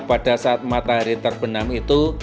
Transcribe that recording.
pada saat matahari terbenam itu